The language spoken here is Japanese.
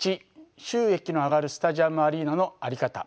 収益の上がるスタジアム・アリーナのあり方。